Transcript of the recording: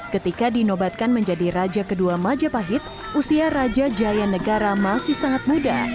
ketika dinobatkan menjadi raja kedua majapahit usia raja jaya negara masih sangat muda